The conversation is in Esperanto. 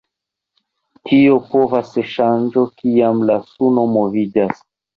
Tio povas ŝanĝo kiam la suno moviĝas.